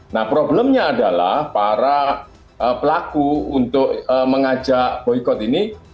nah problemnya adalah para pelaku untuk mengajak boykot ini